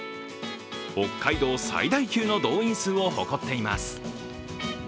北海道最大級の動員数を誇っています。